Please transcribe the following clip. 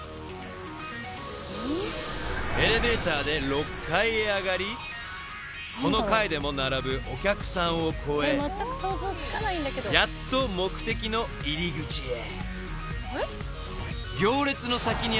［エレベーターで６階へ上がりこの階でも並ぶお客さんを越えやっと目的の入り口へ］